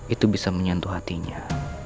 itu bisa menyentuh hatinya